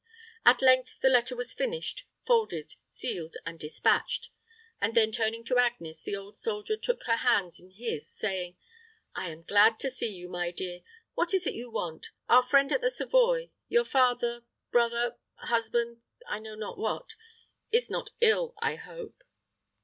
At length the letter was finished, folded, sealed, and dispatched; and then turning to Agnes, the old soldier took her hands in his, saying, "I am glad to see you, my dear. What is it you want? Our friend at the Savoy your father brother husband I know not what, is not ill, I hope."